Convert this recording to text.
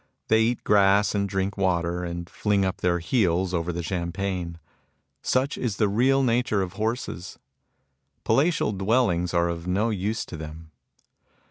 They eat grass and drink water, and fling up their heels over the champaign. Such is the real nature of horses. Palatial dwellings are of no use to them.